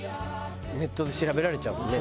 ネットで調べられちゃうもんね。